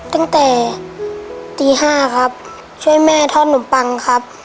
ตั้งแต่ตี๕ครับช่วยแม่ทอดนมปังครับ